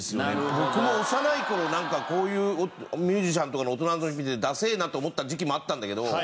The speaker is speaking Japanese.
僕も幼い頃なんかこういうミュージシャンとかの大人の見ててダセえなって思った時期もあったんだけど。